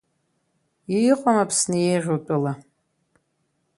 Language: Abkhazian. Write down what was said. Иҟам Аԥсны еиӷьу тәыла…